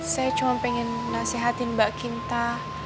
saya cuma pengen nasihatin mbak kinta